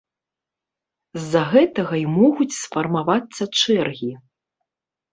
З-за гэтага і могуць сфармавацца чэргі.